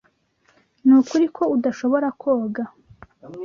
Nukuri ko udashobora koga?